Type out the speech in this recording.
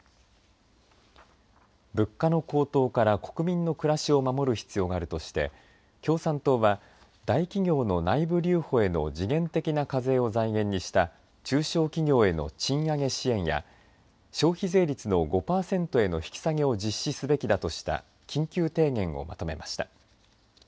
物価の高騰から国民の暮らしを守る必要があるとして共産党は大企業の内部保留への時限的な課税を財源にした中小企業への賃上げ支援や消費税率の５パーセントへの引き下げを重視すべきだとした緊急提言をまとめました。